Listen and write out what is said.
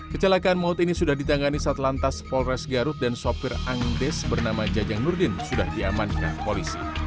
kecelakaan maut ini sudah ditangani saat lantas polres garut dan sopir angdes bernama jajang nurdin sudah diamankan polisi